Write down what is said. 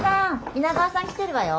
皆川さん来てるわよ。